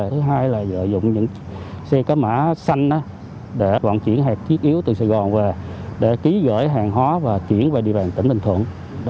thứ hai là lợi dụng những xe cá mã xanh để vận chuyển hạt thiết yếu từ sài gòn về để ký gọi hàng hóa và chuyển về địa bàn tỉnh bình thuận